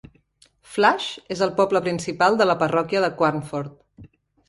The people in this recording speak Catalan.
Flash és el poble principal de la parròquia de Quarnford.